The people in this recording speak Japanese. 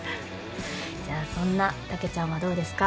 じゃあそんなたけちゃんはどうですか？